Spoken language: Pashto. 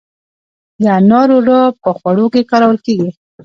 د انارو رب په خوړو کې کارول کیږي.